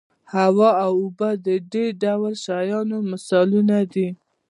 هوا او اوبه د دې ډول شیانو مثالونه دي.